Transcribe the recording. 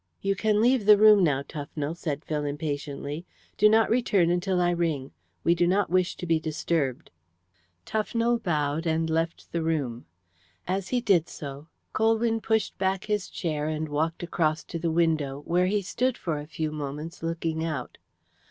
"You can leave the room now, Tufnell," said Phil impatiently. "Do not return until I ring. We do not wish to be disturbed." Tufnell bowed and left the room. As he did so Colwyn pushed back his chair and walked across to the window, where he stood for a few moments looking out.